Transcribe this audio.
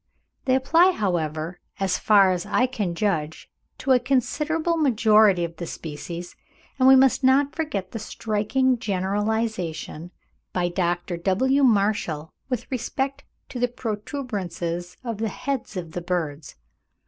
They apply, however, as far as I can judge, to a considerable majority of the species; and we must not forget the striking generalisation by Dr. W. Marshall with respect to the protuberances on the heads of birds.